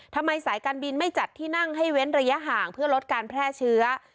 สายการบินไม่จัดที่นั่งให้เว้นระยะห่างเพื่อลดการแพร่เชื้อ